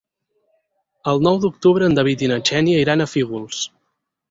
El nou d'octubre en David i na Xènia iran a Fígols.